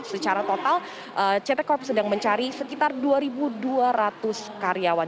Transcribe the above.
secara total ct corp sedang mencari sekitar dua dua ratus karyawan